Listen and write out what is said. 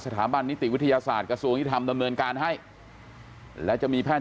สถาบันนิติวิทยาศาสตร์กระทรวงยุทธรรมดำเนินการให้และจะมีแพทย์